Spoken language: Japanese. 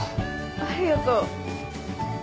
ありがとう。